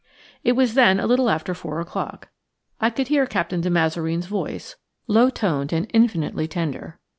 It was then a little after four o'clock. I could hear Captain de Mazareen's voice, low toned and infinitely tender.